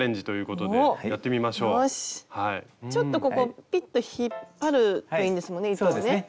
ちょっとここピッと引っ張るといいんですもんね糸をね。